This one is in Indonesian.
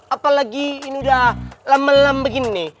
apalagi ini udah lama lama begini